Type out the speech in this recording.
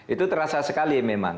itu terasa sekali memang